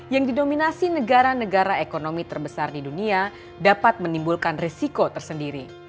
yang didominasi negara negara ekonomi terbesar di dunia dapat menimbulkan resiko tersendiri